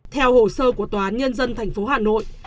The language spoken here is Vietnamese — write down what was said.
theo hồ sơ của tòa án nhân dân thành phố hà nội